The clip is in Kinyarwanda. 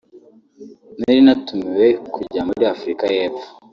“Nari natumiwe kujya muri Afurika y’Epfo